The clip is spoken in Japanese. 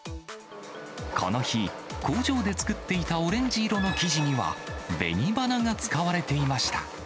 この日、工場で作っていたオレンジ色の生地には、ベニバナが使われていました。